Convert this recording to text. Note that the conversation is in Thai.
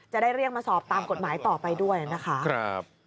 จะได้เรียกมาสอบตามกฎหมายต่อไปด้วยนะคะ